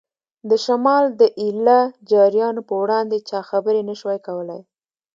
د شمال د ایله جاریانو په وړاندې چا خبرې نه شوای کولای.